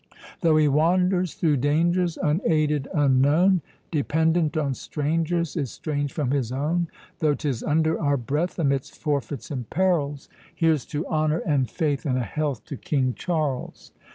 Though he wanders through dangers, Unaided, unknown, Dependent 'on strangers, Estranged from his own; Though 'tis under our breath, Amidst forfeits and perils, Here's to honour and faith, And a health to King Charles!